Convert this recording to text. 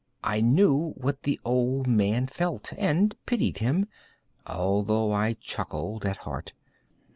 I knew what the old man felt, and pitied him, although I chuckled at heart.